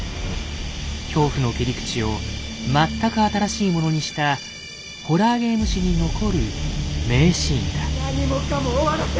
恐怖の切り口を全く新しいものにしたホラーゲーム史に残る名シーンだ。